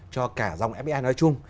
cho cả dòng fbi nói chung